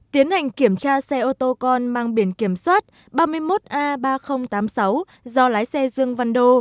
tiến hành kiểm tra xe ô tô con mang biển kiểm soát ba mươi một a ba nghìn tám mươi sáu do lái xe dương văn đô